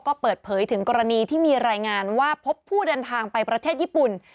ก็เปิดเผยถึงกรณีที่มีรายงานว่าพบผู้เดินทางไปประเทศญี่ปุ่น